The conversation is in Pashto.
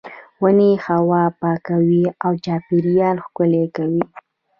ونې هوا پاکوي او چاپیریال ښکلی کوي.